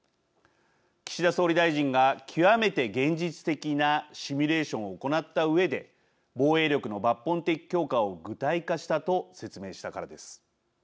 岸田総理大臣が、極めて現実的なシミュレーションを行ったうえで防衛力の抜本的強化を具体化したと説明したからです。